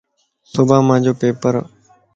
صبح مانجو پيپرا.